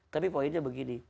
tapi poinnya begini